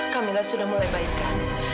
kamila sudah mulai baik kak